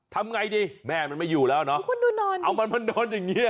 ทำไงดีแม่มันไม่อยู่แล้วเนอะคุณดูนอนเอามันมานอนอย่างเงี้